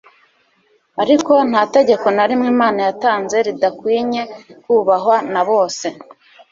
Ariko nta tegeko na rimwe Imana yatanze ridakwinye kubahwa na bose.